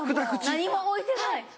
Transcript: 何も置いてない！